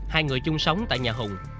hai người chung sống tại nhà hùng